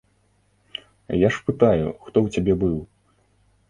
Я ж пытаю, хто ў цябе быў?